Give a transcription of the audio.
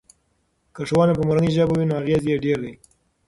که ښوونه په مورنۍ ژبه وي نو اغیز یې ډیر دی.